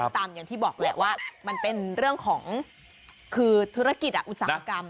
อย่างที่บอกแหละว่ามันเป็นเรื่องของคือธุรกิจอุตสาหกรรม